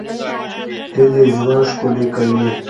هیلې ژوند ښکلی کوي